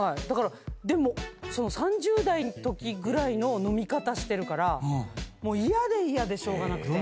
でも３０代のときぐらいの飲み方してるから嫌で嫌でしょうがなくて。